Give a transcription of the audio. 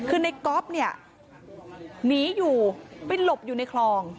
คือในก๊อฟเนี่ยหนีอยู่ไปหลบอยู่ในคลอง